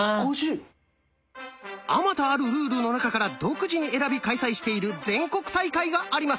⁉あまたあるルールの中から独自に選び開催している全国大会があります。